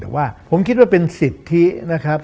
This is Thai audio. แต่ว่าผมคิดว่าเป็นสิทธินะครับ